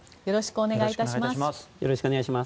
よろしくお願いします。